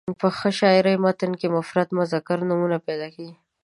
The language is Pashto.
په ښه شاعر متن کې مفرد مذکر نومونه پیدا کړي.